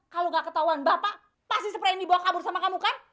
kalau tidak ketahuan bapak pasti spray ini dibawa kabur sama kamu kan